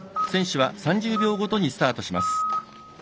選手は、３０秒ごとにスタートします。